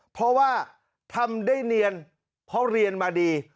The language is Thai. เพราะว่าทำได้เนียนเพราะเรียนมาดี